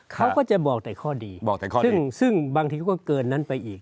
เขาก็จะบอกแต่ข้อดีบอกแต่ข้อซึ่งบางทีก็เกินนั้นไปอีก